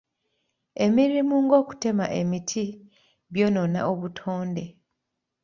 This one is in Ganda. Emirimu ng'okutema emiti by'onoona obutonde.